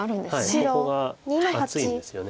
ここが厚いんですよね。